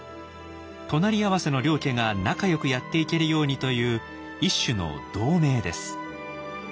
隣り合わせの両家が仲よくやっていけるようにという一種の同盟です。